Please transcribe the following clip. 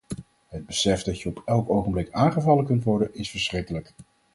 Het besef dat je op elk ogenblik aangevallen kunt worden is verschrikkelijk.